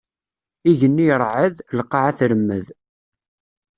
Igenni iṛeɛɛed, lqaɛa tremmed.